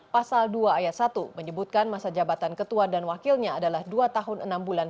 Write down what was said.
pasal dua ayat satu menyebutkan masa jabatan ketua dan wakilnya adalah dua tahun enam bulan